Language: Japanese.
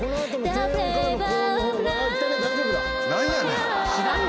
何やねん！